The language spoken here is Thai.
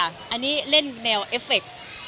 อันนี้เล่นแนวเอฟเฟค